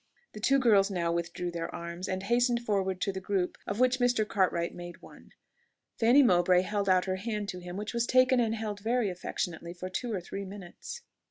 The two girls now withdrew their arms, and hastened forward to the group of which Mr. Cartwright made one. Fanny Mowbray held out her hand to him, which was taken and held very affectionately for two or three minutes.